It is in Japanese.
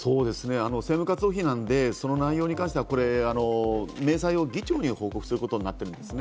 政務活動費なんで、その内容に関しては、議長に報告することになっているんですね。